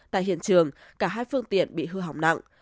tại hiện trường cả hai phương tiện bị hư hỏng nặng